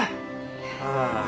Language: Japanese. ああ。